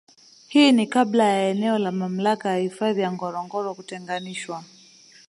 Hii ni Kabla ya eneo la mamlaka ya hifadhi ya Ngorongoro kutenganishwa